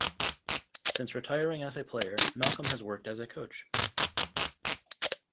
Since retiring as a player, Malcolm has worked as a coach.